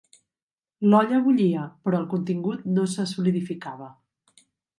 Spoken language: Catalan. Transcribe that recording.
L'olla bullia però el contingut no se solidificava.